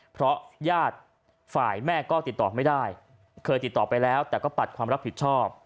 เพราะญาติฝ่ายแม่ก็ติดต่อไม่ได้เคยติดต่อไปแล้วแต่ก็ปัดความรับผิดชอบ